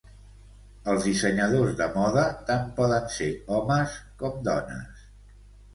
Els dissenyadors de moda tant poden ser homes com dones.